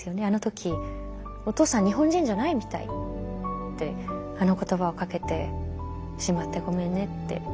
あの時「お父さん日本人じゃないみたい」ってあの言葉をかけてしまってごめんねって。